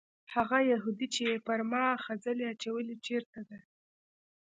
هغه یهودي چې پر ما یې خځلې اچولې چېرته دی؟